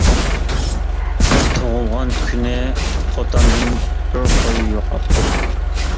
قىز تۇغۇلغان كۈنى قوتاندىن بىر قوي يوقاپتۇ.